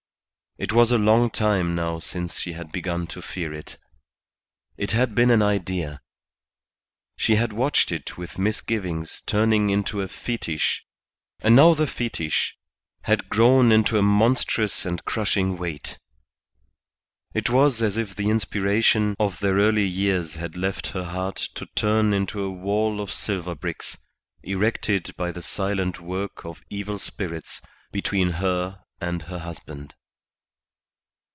It was a long time now since she had begun to fear it. It had been an idea. She had watched it with misgivings turning into a fetish, and now the fetish had grown into a monstrous and crushing weight. It was as if the inspiration of their early years had left her heart to turn into a wall of silver bricks, erected by the silent work of evil spirits, between her and her husband.